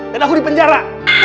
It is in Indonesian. dan aku di penjara